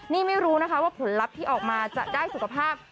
นี่ไม่รู้นะคะว่าผลลัพธ์ที่ออกมาจะได้สุขภาพ